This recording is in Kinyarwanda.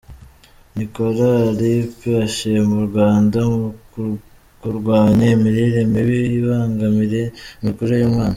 Nicholas Alipui, ashima u Rwanda mu kurwanya imirire mibi ibangamira imikurire y’umwana.